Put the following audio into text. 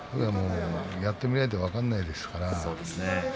やってみないと分からないですから。